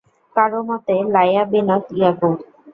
কারও মতে, লায়্যা বিনত ইয়াকূব।